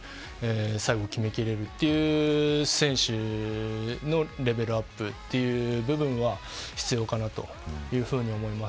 最後、決めきれるという選手のレベルアップという部分は必要かなというふうに思います。